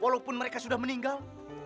walaupun mereka sudah meninggal